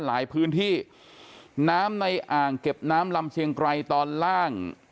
หลายพื้นที่น้ำในอ่างเก็บน้ำลำเชียงไกรตอนล่าง